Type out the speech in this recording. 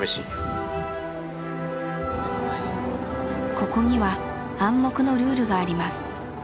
ここには暗黙のルールがあります。